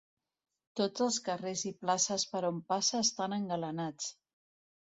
Tots els carrers i places per on passa estan engalanats.